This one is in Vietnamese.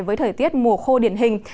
với thời tiết mùa khô điển hình